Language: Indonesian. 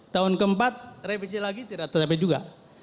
tahun keempat revisi lagi tidak tercapai juga